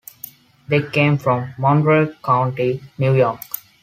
They came from Monroe County, New York.